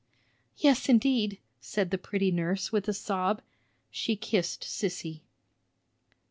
"Yes, indeed!" said the pretty nurse, with a sob; she kissed Sissy.